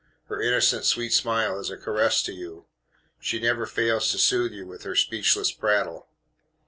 Her innocent sweet smile is a caress to you. She never fails to soothe you with her speechless prattle.